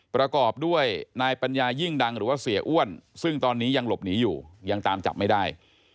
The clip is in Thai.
ประกอบด้วยนายปัญญายิ่งดังหรือว่าเสียอ้วนซึ่งตอนนี้ยังหลบหนีอยู่ยังตามจับไม่ได้